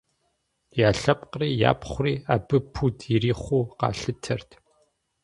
Я лъэпкъри япхъури абы пуд ирихъуу къалъытэрт.